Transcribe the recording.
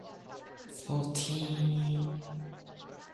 Historians suggest a variety of reasons for this success.